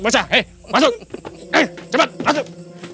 masuk cepat masuk